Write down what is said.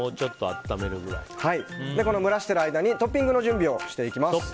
蒸らしてる間にトッピングの準備をしていきます。